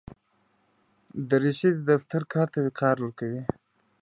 دریشي د دفتر کار ته وقار ورکوي.